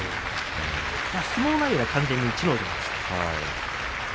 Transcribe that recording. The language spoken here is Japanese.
相撲内容は完全に逸ノ城でした。